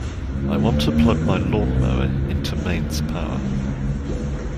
I want to plug my lawnmower into mains power